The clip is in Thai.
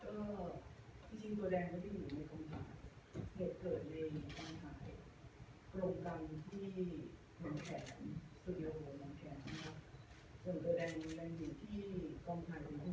ก็พี่จริงตัวแดงก็ได้อยู่ในกรมถ่ายเหตุเกิดในกรมถ่ายกรมกรรมที่มองแขนสุริยาโรมมองแขนครับ